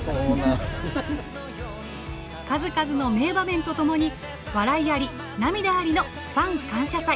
数々の名場面とともに笑いあり涙ありのファン感謝祭。